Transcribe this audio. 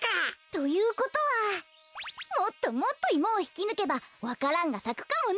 ということはもっともっとイモをひきぬけばわか蘭がさくかもね。